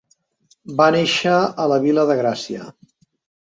Va néixer a la Vila de Gràcia.